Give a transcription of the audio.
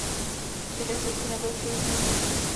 Zbytek cesty nebyl příliš úspěšný.